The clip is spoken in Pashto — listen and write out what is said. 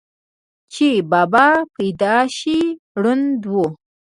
چې بابا پېدائشي ړوند وو،